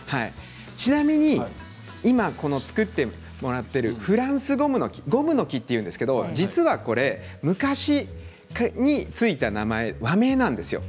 ちなみに今、この作ったもらっているフランスゴムノキというんですけど、実はこれ昔に付いた名前和名なんですよ。